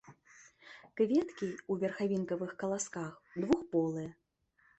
Кветкі ў верхавінкавых каласках, двухполыя.